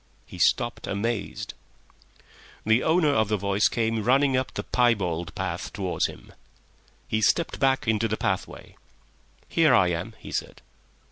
He stopped, amazed. The owner of the voice came running up the piebald path towards him. He stepped back into the pathway. "Here I am," he said.